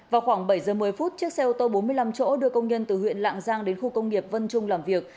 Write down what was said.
vào khoảng bảy giờ một mươi phút chiếc xe ô tô bốn mươi năm chỗ đưa công nhân từ huyện lạng giang đến khu công nghiệp vân trung làm việc